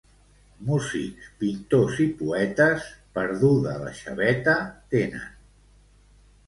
Músics, pintors i poetes, perduda la xaveta tenen.